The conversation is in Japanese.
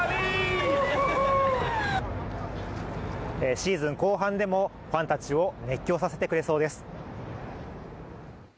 シーズン後半でもファンたちを熱狂させてくれそうです。